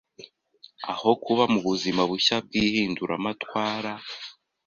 aho kuba mubuzima bushya bwihinduramatwara